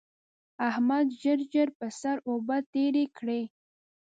احمد ژر ژر پر سر اوبه تېرې کړې.